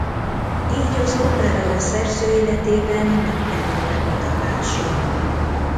Így az opera a szerző életében nem került bemutatásra.